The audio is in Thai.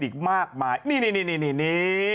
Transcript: อีกมากมายนี่